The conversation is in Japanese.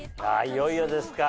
いよいよですか。